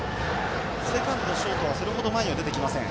セカンド、ショートはそれほど前には出てきません。